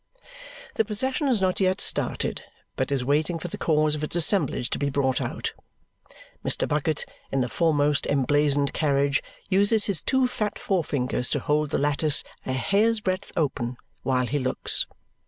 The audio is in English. The procession has not started yet, but is waiting for the cause of its assemblage to be brought out. Mr. Bucket, in the foremost emblazoned carriage, uses his two fat forefingers to hold the lattice a hair's breadth open while he looks.